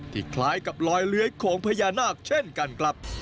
คล้ายกับรอยเลื้อยของพญานาคเช่นกันครับ